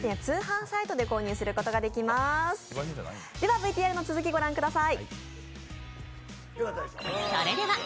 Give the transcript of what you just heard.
ＶＴＲの続きご覧ください。